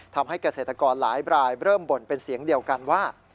ทำให้เกษตรกรหลายรายเริ่มบ่นเป็นเสียงเดียวกันว่า